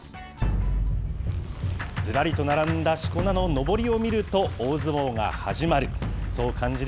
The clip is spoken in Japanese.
ずらりと並んだしこ名ののぼりを見ると、大相撲が始まる。